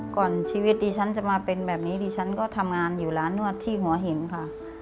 ก่อนชีวิตดิฉันจะมาเป็นแบบนี้ดิฉันก็ทำงานอยู่ร้านนวดที่หัวหินค่ะ